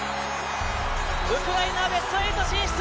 ウクライナベスト８進出！